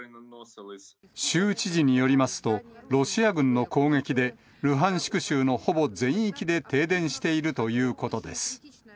州知事によりますと、ロシア軍の攻撃で、ルハンシク州のほぼ全域で停電しているということです。